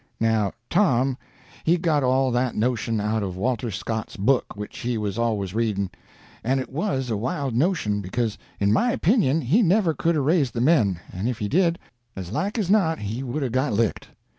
Now Tom he got all that notion out of Walter Scott's book, which he was always reading. And it was a wild notion, because in my opinion he never could've raised the men, and if he did, as like as not he would've got licked.